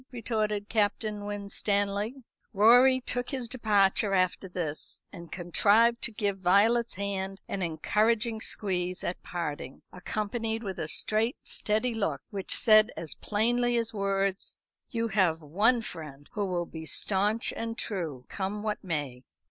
retorted Captain Winstanley. Rorie took his departure after this, and contrived to give Violet's hand an encouraging squeeze at parting, accompanied with a straight steady look, which said as plainly as words: "You have one friend who will be stanch and true, come what may."